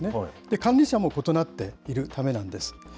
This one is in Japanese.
管理者も異なっているためなんです。